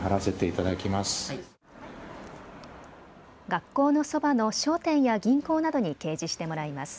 学校のそばの商店や銀行などに掲示してもらいます。